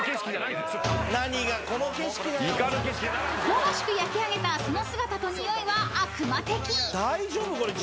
［香ばしく焼きあげたその姿とにおいは悪魔的］